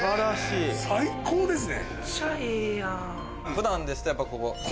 ワオ最高ですね。